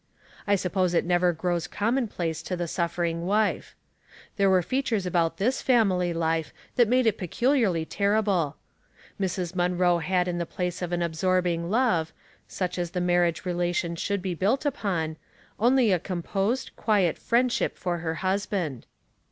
I sup pose it never grows commonplace to the suffering wife. There were features about this family life that made it peculiarly terrible. Mrs. Munroe had in the place of an absorbing love, such as the marriage relation should be built upon, only a composed, quiet friendship for her husband.